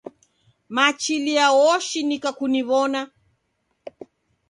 Machilia woshinika kuniwona